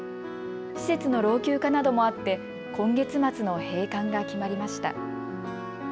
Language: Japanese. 施設の老朽化などもあって今月末の閉館が決まりました。